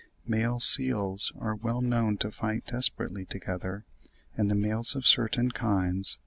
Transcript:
Male seals are well known to fight desperately together, and the males of certain kinds (Otaria jubata) (43.